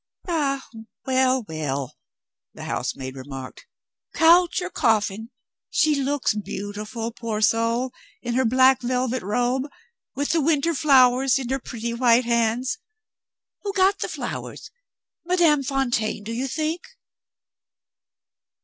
"Ah, well, well!" the housemaid remarked, "couch or coffin, she looks beautiful, poor soul, in her black velvet robe, with the winter flowers in her pretty white hands. Who got the flowers? Madame Fontaine, do you think?"